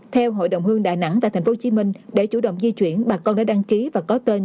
theo hội đồng hương đà nẵng tại tp hcm để chủ động di chuyển bà con đã đăng ký và có tên